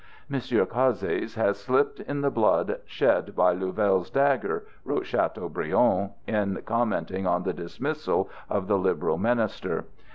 "M. Decazes has slipped in the blood shed by Louvel's dagger," wrote Chateaubriand in commenting on the dismissal of the liberal minister.